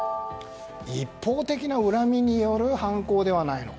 一方的な恨みによる犯行ではないのか。